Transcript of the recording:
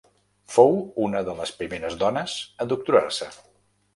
Fou una de les primeres dones a doctorar-se.